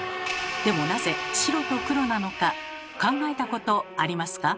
でもなぜ白と黒なのか考えたことありますか？